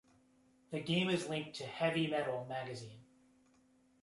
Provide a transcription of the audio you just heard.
The game is linked to "Heavy Metal" magazine.